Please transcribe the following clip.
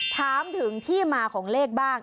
ถามถึงที่มาของเลขบ้าง